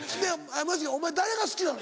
マジでお前誰が好きなの？